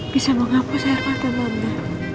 bisa mengapa saya patah mama